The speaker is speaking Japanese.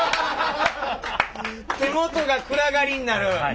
手元が暗がりになる。